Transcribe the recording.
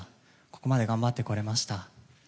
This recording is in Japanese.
ここまで頑張ってこられました。